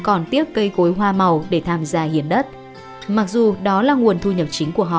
còn tiếc cây cối hoa màu để tham gia hiển đất mặc dù đó là nguồn thu nhập chính của họ